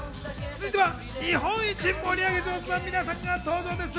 続いては、日本一盛り上げ上手な皆さんが登場です。